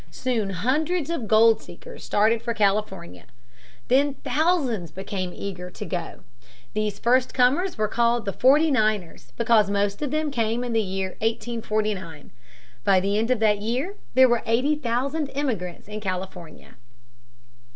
Soon hundreds of gold seekers started for California. Then thousands became eager to go. These first comers were called the Forty Niners, because most of them came in the year 1849. By the end of that year there were eighty thousand immigrants in California.